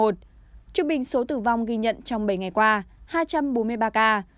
trung bình số tử vong ghi nhận trong bảy ngày qua hai trăm bốn mươi ba ca